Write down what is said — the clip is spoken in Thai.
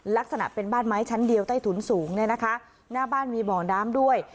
ลักษณะเป็นบ้านไม้ชั้นเดียวใต้ถุนสูงเนี่ยนะคะหน้าบ้านมีบ่อน้ำด้วย